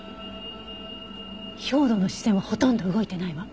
兵働の視線はほとんど動いてないわ。